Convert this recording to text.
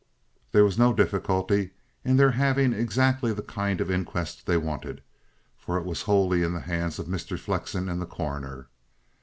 There was no difficulty in their having exactly the kind of inquest they wanted, for it was wholly in the hands of Mr. Flexen and the Coroner.